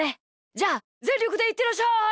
じゃあぜんりょくでいってらっしゃい！